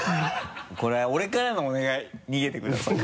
これは俺からのお願い逃げてください。